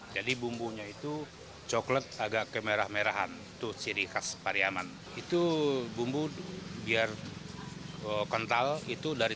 jadi bumbunya itu coklat agak kemerah merahan tuh ciri khas pariyaman itu bumbu biar kental itu dari